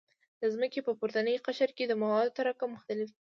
د ځمکې په پورتني قشر کې د موادو تراکم مختلف دی